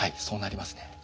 そうなりますね。